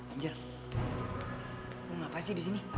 anjir lu ngapasih disini